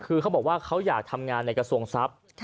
คือเขาบอกว่าเขาอยากทำงานในกระทรวงทรัพย์